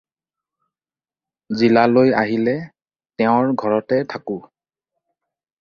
জিলালৈ আহিলে তেওঁৰ ঘৰতে থাকোঁ।